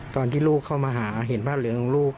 ตอนที่ลูกเข้ามาหาเห็นผ้าเหลืองของลูก